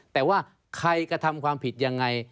แต่ว่าใครกระทำความผิดยังไง